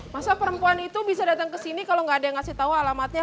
masa perempuan itu bisa datang ke sini kalau nggak ada yang ngasih tahu alamatnya